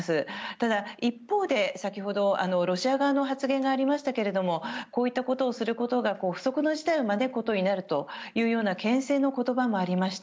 ただ一方で先ほど、ロシア側の発言がありましたけれどもこういったことをすることが不測の事態を招くことになるという牽制の言葉もありました。